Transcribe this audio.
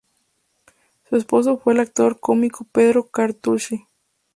Su esposo fue el actor cómico Pedro Quartucci.